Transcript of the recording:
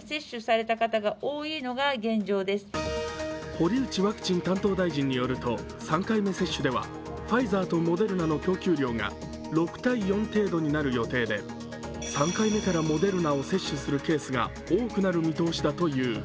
堀内ワクチン担当大臣によると３回目接種ではファイザーとモデルナの供給量が６対４程度になる予定で３回目からモデルナを接種するケースが多くなる見通しだという。